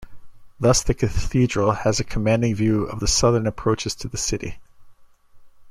Thus the cathedral has a commanding view of the southern approaches to the city.